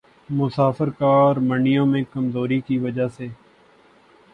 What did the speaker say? مسافر کار منڈیوں میں کمزوری کی وجہ سے